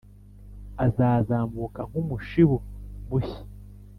Azazamuka nk umushibu mushya